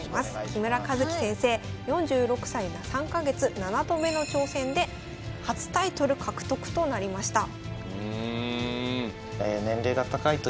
木村一基先生４６歳３か月７度目の挑戦で初タイトル獲得となりました。